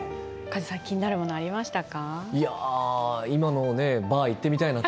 気になるものはありましたか。